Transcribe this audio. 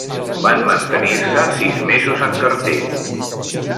Van mantenir-se sis mesos en cartell.